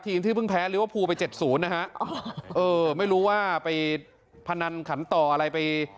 ที่เพิ่งแพ้ลิเวอร์พูลไปเจ็ดศูนย์นะฮะเออไม่รู้ว่าไปพนันขันต่ออะไรไป